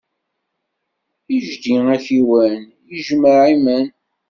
Ijdi akiwan ijemmeɛ iman.